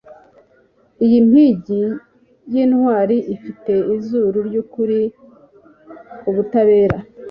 iyi mpigi yintwari ifite izuru ryukuri kubutabera